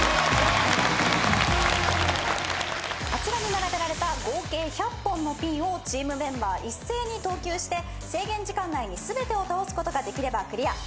あちらに並べられた合計１００本のピンをチームメンバー一斉に投球して制限時間内に全てを倒すことができればクリア。